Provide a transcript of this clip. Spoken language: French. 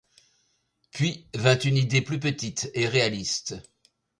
Puis vint une idée plus petite et réaliste.